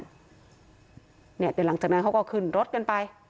เดี๋ยวหลังจากนั้นเขาก็ขึ้นรถกันไป